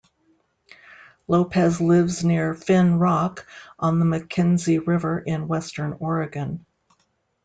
Lopez lives near Finn Rock on the McKenzie River in western Oregon.